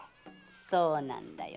そうなんだよ。